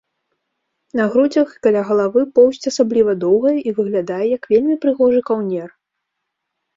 На грудзях і каля галавы поўсць асабліва доўгая і выглядае як вельмі прыгожы каўнер.